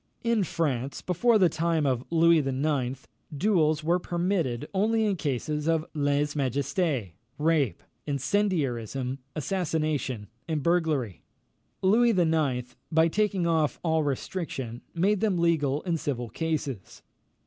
In France, before the time of Louis IX., duels were permitted only in cases of lèse majesté, rape, incendiarism, assassination, and burglary. Louis IX., by taking off all restriction, made them legal in civil cases.